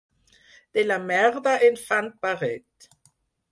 De la merda en fan paret.